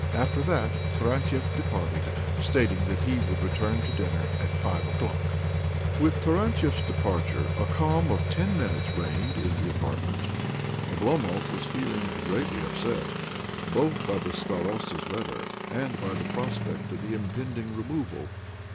After that Tarantiev departed, stating that he would return to dinner at five o'clock. With Tarantiev's departure a calm of ten minutes reigned in the apartment. Oblomov was feeling greatly upset, both by the starosta's letter and by the prospect of the impending removal.